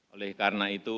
oleh karena itu